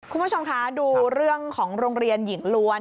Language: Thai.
คุณผู้ชมคะดูเรื่องของโรงเรียนหญิงล้วน